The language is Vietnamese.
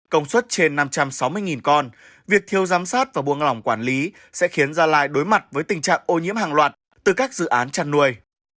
công suất trên năm trăm sáu mươi con việc thiêu giám sát và buông lỏng quản lý sẽ khiến gia lai đối mặt với tình trạng ô nhiễm hàng loạt từ các dự án chăn nuôi